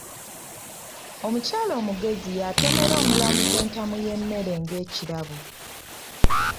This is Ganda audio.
Omukyala omugezi yatonera omulamuzi entamu y'emmere ng'ekirabo.